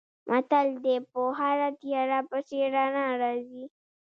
متل دی: په هره تیاره پسې رڼا راځي.